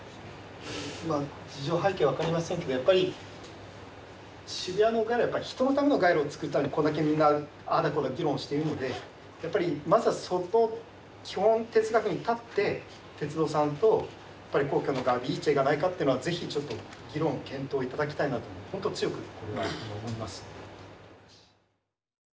事情背景は分かりませんけどやっぱり渋谷の街路はやっぱり人のための街路をつくるためにこれだけみんなああだこうだ議論しているのでやっぱりまずはそこ基本哲学に立って鉄道さんと公共の側でいい知恵がないかっていうのはぜひちょっと議論を検討頂きたいなとほんと強く思います。